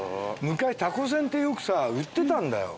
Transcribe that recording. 昔たこせんってよくさ売ってたんだよ